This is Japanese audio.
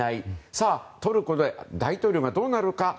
さあ、トルコの大統領がどうなるのか。